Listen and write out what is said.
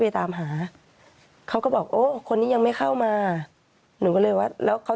ตามหาเขาก็บอกโอ้คนนี้ยังไม่เข้ามาหนูก็เลยว่าแล้วเขา